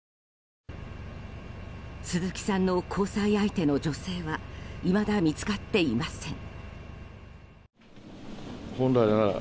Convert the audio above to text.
鈴木さんの交際相手の女性はいまだ見つかっていません。